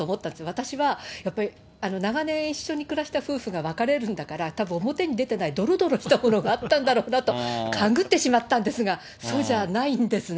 私はやっぱり、長年一緒に暮らした夫婦が別れるんだから、たぶん表に出てないどろどろしたものがあったんだろうなと勘ぐってしまったんですが、そうじゃないんですね。